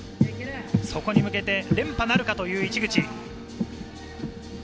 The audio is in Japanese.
そこに向けて連覇なるかという市口。